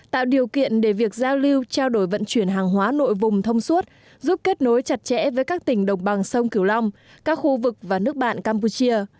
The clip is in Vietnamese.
tạo điều kiện để việc giao lưu trao đổi vận chuyển hàng hóa nội vùng thông suốt giúp kết nối chặt chẽ với các tỉnh đồng bằng sông cửu long các khu vực và nước bạn campuchia